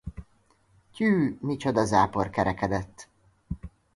Tyű, micsoda zápor kerekedett!